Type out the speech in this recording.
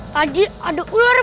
tadi ada ular '